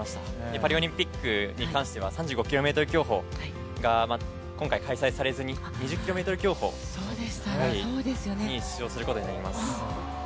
パリオリンピックに関しては３５ｋｍ競歩が今回開催されずに、２０ｋｍ競歩に出場することになります。